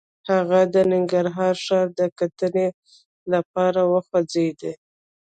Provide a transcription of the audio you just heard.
هغه د ننګرهار ښار د کتنې لپاره وخوځېد.